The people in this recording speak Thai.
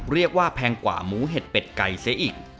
เรียกว่าแพงกว่าหมูเห็ดเป็ดไก่เสียอีก